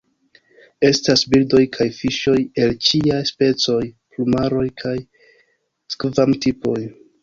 Estas birdoj kaj fiŝoj el ĉiaj specoj, plumaroj kaj skvam-tipoj.